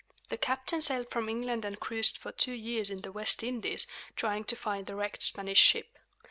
The captain sailed from England and cruised for two years in the West Indies, trying to find the wrecked Spanish ship.